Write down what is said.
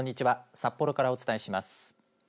札幌からお伝えします。